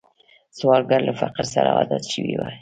سوالګر له فقر سره عادت شوی وي